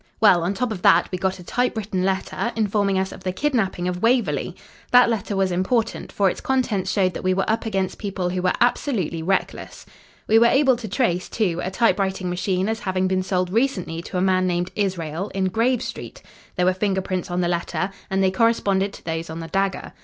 Well, on top of that, we got a typewritten letter, informing us of the kidnapping of Waverley. That letter was important, for its contents showed that we were up against people who were absolutely reckless. We were able to trace, too, a typewriting machine as having been sold recently to a man named Israel, in Grave Street, There were finger prints on the letter, and they corresponded to those on the dagger.